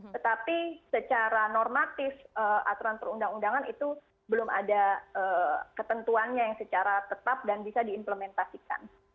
tetapi secara normatif aturan perundang undangan itu belum ada ketentuannya yang secara tetap dan bisa diimplementasikan